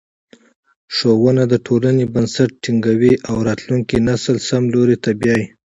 ښوونه د ټولنې بنسټ ټینګوي او راتلونکی نسل سم لوري ته بیايي.